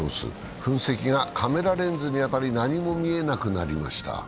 噴石がカメラレンズに当たり何も見えなくなりました。